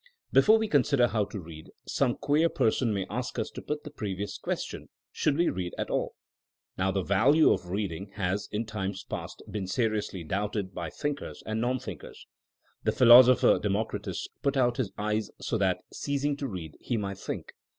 Before we consider how to read, some queer person may ask us to put the previous ques tion, "Should we read at all!'* Now the value of reading has, in times past, been seriously doubted by thinkers and non thinkers. The philosopher Democritus put out his eyes so that, ceasing to read, he might think.